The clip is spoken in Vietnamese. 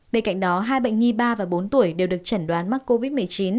bên cạnh đó hai bệnh nhi ba và bốn tuổi đều được chẩn đoán mắc covid một mươi chín